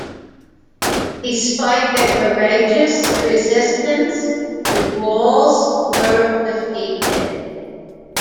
Despite their courageous resistance, the Gauls were defeated.